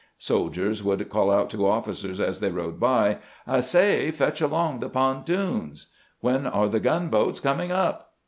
Soldiers would call out to officers as they rode by: "I say, fetch along the pontoons." "When are the gun boats coming up?"